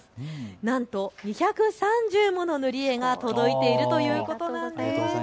なんと２３０もの塗り絵が届いているということなんです。